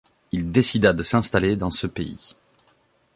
Il décida de s'installer dans ce pays.